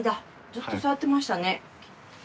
ずっと触ってましたね。